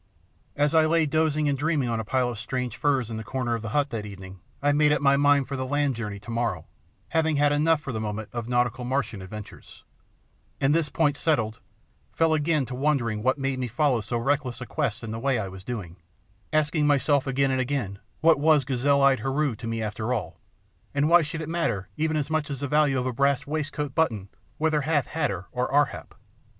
As I lay dozing and dreaming on a pile of strange furs in the corner of the hut that evening I made up my mind for the land journey tomorrow, having had enough for the moment of nautical Martian adventures; and this point settled, fell again to wondering what made me follow so reckless a quest in the way I was doing; asking myself again and again what was gazelle eyed Heru to me after all, and why should it matter even as much as the value of a brass waist coat button whether Hath had her or Ar hap?